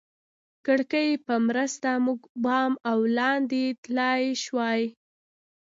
کړکیو په مرسته موږ بام او لاندې تلای شوای.